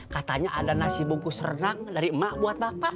katanya ada nasi bungkus renang dari emak buat bapak